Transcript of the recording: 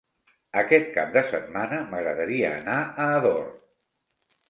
Aquest cap de setmana m'agradaria anar a Ador.